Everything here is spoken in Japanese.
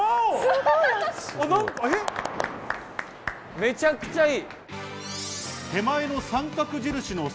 めちゃくちゃいい！